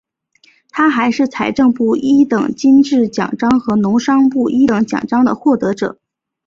他还是财政部一等金质奖章和农商部一等奖章的获得者。